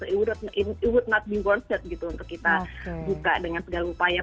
it would not be worth it gitu untuk kita buka dengan segala upaya